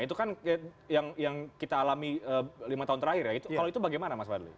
itu kan yang kita alami lima tahun terakhir ya kalau itu bagaimana mas fadli